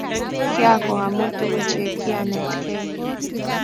kiokwong amu tukuk chekianetkei